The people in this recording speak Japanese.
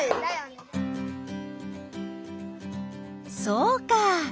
そうか！